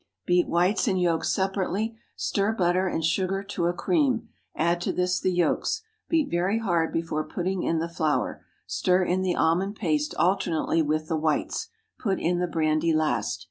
Beat whites and yolks separately; stir butter and sugar to a cream; add to this the yolks; beat very hard before putting in the flour; stir in the almond paste alternately with the whites. Put in the brandy last.